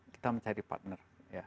kita mencari partner